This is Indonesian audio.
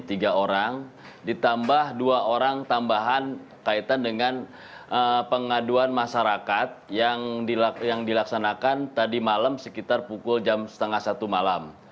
tiga orang ditambah dua orang tambahan kaitan dengan pengaduan masyarakat yang dilaksanakan tadi malam sekitar pukul jam setengah satu malam